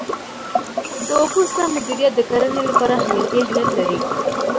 د اوبو سم مدیریت د کرنې لپاره حیاتي اهمیت لري.